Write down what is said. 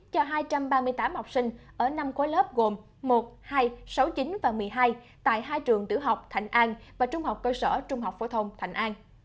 cho hai trăm ba mươi tám học sinh ở năm khối lớp gồm một hai sáu chín và một mươi hai tại hai trường tiểu học thạnh an và trung học cơ sở trung học phổ thông thành an